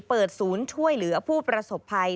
เปิดศูนย์ช่วยเหลือผู้ประสบภัย